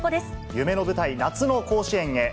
夢の舞台、夏の甲子園へ。